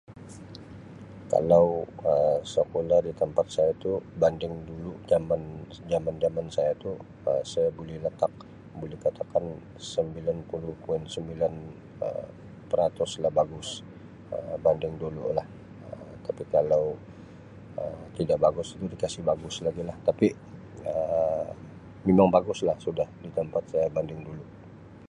Kalau Um sekolah di tempat saya itu banding dulu jaman- jaman-jaman saya tu Um saya bulih latak- bulih katakan sambilan puluh poin sambilan Um peratus lah bagus Um banding dulu lah. Um Tapi kalau Um tida bagus, [unintelligible] dikasi bagus lagi lah. Tapi Um mimang bagus lah sudah di tampat saya banding dulu.